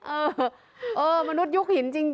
เออมนุษยุคหินจริง